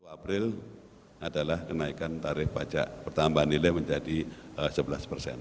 dua puluh april adalah kenaikan tarif pajak pertambahan nilai menjadi sebelas persen